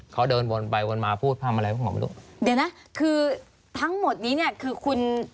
เขาเดินวนไปวนมาพูดพร่ำอะไรพวกผมไม่รู้เดี๋ยวนะคือทั้งหมดนี้เนี่ยคือคุณ